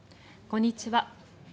こんにちは。